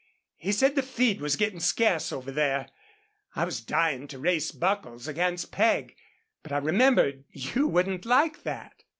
He said the feed was getting scarce over there. I was dying to race Buckles against Peg, but I remembered you wouldn't like that."